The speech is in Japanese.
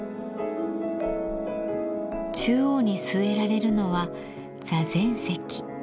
中央に据えられるのは座禅石。